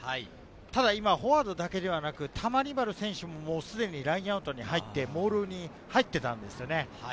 ただ今、フォワードだけではなく、球際の選手がラインアウトに入って、モールに入っていたんですよね。